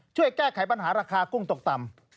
ช่วยแก้ไขปัญหาราคากุ้งตกต่ำ